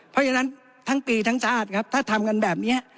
เพราะฉะนั้นทั้งปีทั้งชาติครับถ้าทำกันแบบนี้